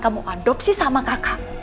kamu adopsi sama kakak